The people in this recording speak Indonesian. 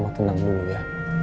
mama tenang dulu ya